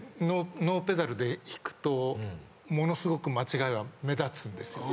ノーペダルで弾くとものすごく間違いは目立つんですよ。